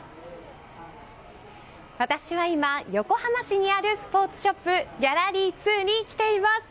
私は今、横浜市にあるスポーツショップギャラリーツーに来ています。